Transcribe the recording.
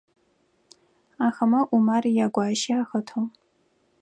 Ахэмэ Умар ягуащи ахэтыгъ.